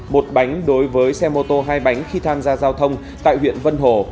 một bánh đối với xe mô tô hai bánh khi tham gia giao thông tại huyện vân hồ